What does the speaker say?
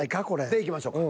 でいきましょうか。